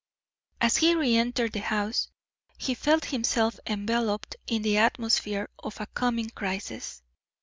As he re entered the house, he felt himself enveloped in the atmosphere of a coming crisis.